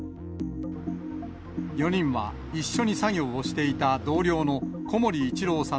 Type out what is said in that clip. ４人は一緒に作業をしていた同僚の小森一郎さん